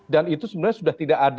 dan itu sebenarnya sudah tidak adil